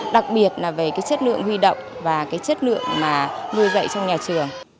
đặc biệt là về cái chất lượng huy động và cái chất lượng mà nuôi dạy trong nhà trường